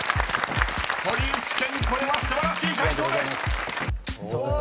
［堀内健これは素晴らしい解答です！］